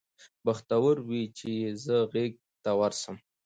بختور وي چي یې زه غیږي ته ورسم